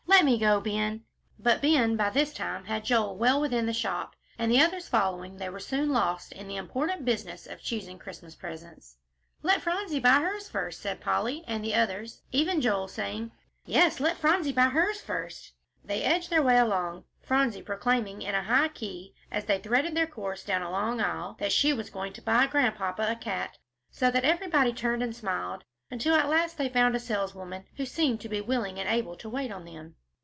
Let me go, Ben." But Ben by this time had Joel well within the shop, and, the others following, they were soon lost in the important business of choosing Christmas presents. "Let Phronsie buy hers first," said Polly. And the others, even Joel, saying, "Yes, let Phronsie buy hers first," they edged their way along, Phronsie proclaiming in a high key, as they threaded their course down a long aisle, that she was going to buy Grandpapa a cat, so that everybody turned and smiled, until at last they found a saleswoman, who seemed to be willing and able to wait on them.